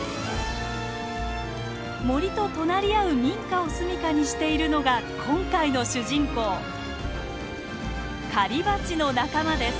森と隣り合う民家をすみかにしているのが今回の主人公狩りバチの仲間です。